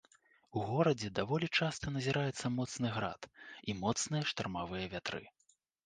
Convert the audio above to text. У горадзе даволі часта назіраецца моцны град і моцныя штармавыя вятры.